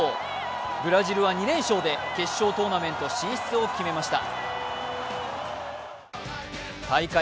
ブラジルは２連勝で決勝トーナメント進出を決めました。